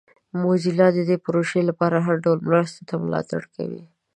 موزیلا د دې پروژې لپاره د هر ډول مرستې ملاتړ کوي.